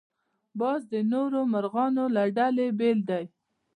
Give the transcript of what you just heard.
باز د نورو مرغانو له ډلې بېل دی